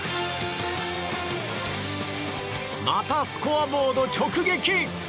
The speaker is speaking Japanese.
またスコアボード直撃！